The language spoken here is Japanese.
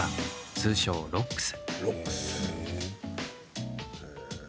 通称ロックス。